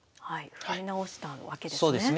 振り直したわけですね。